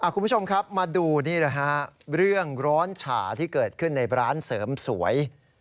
คุณผู้ชมครับมาดูนี่นะฮะเรื่องร้อนฉ่าที่เกิดขึ้นในร้านเสริมสวย